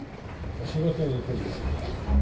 お仕事に行くんです。